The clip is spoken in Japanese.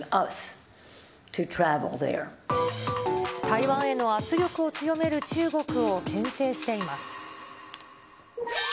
台湾への圧力を強める中国をけん制しています。